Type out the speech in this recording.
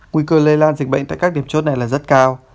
nguy cơ lây lan dịch bệnh tại các điểm chốt này là rất cao